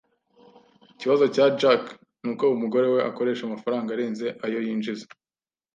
Ikibazo cya Jack nuko umugore we akoresha amafaranga arenze ayo yinjiza.